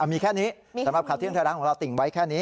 มีแค่นี้สำหรับข่าวเที่ยงไทยรัฐของเราติ่งไว้แค่นี้